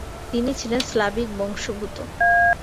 তিনি ছিলেন স্লাভিক বংশোদ্ভূত।